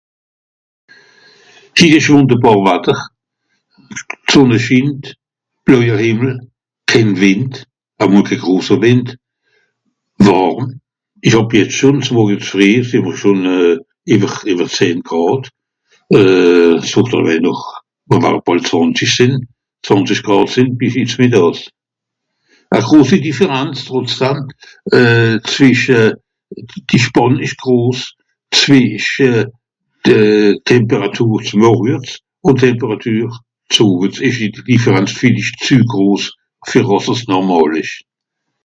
hit esch wùnderbàr watter d'sonne schient bleuje hìmmel kehn wìnd à mol kehn grosser wìnd wàrm esch hàb jetz schòn .... ìwer ìwer zehn gràd euh s'wort allewaij noch mr ware bol zwànzig sìn zwànzig gràd sìn bis hit mìdaas à grossi différànz trotzdam euh zwìsche die spànn esch gross zwìsche de euh temperatur s'morjes ùn temperatur s'ove esch die differanz villicht zü gross ver àss es normàl esch